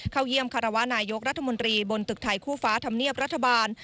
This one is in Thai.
เข้าเยี่ยมคารวะนายกรัฐมนตรีบนตึกไทยคู่ฟ้าธรรมเนียบรัฐบาล